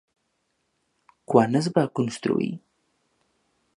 Quan es va construir?